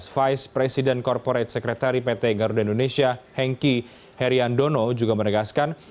vice president corporate sekretari pt garuda indonesia henki herian dono juga menegaskan